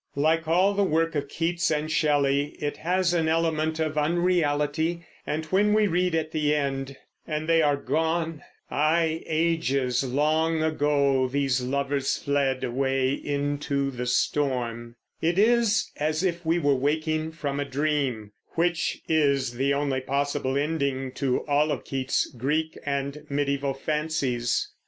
Like all the work of Keats and Shelley, it has an element of unreality; and when we read at the end, And they are gone; aye, ages long ago These lovers fled away into the storm, it is as if we were waking from a dream, which is the only possible ending to all of Keats's Greek and mediæval fancies.